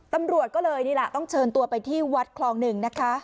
ตำรวจก็เลยนี่แหละต้องเชิญตัวไปที่วัดคลองหนึ่งนะคะ